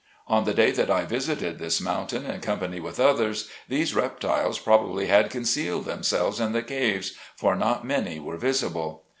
On the day that I visited this mountain in company with others, these reptiles probably had concealed themselves in the caves, for not many were visible.